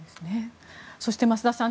そして、増田さん